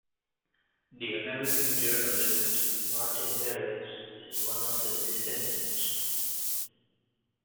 The American journalist Martin Peretz is one of his descendants.